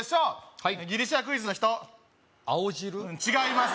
はいギリシアクイズの人青汁？違います！